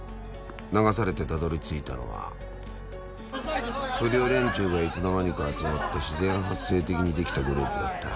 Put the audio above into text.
流されてたどりついたのは不良連中がいつの間にか集まって自然発生的に出来たグループだった。